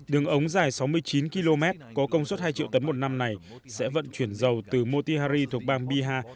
đường ống dài sáu mươi chín km có công suất hai triệu tấn một năm này sẽ vận chuyển dầu từ motihari thuộc bang bihar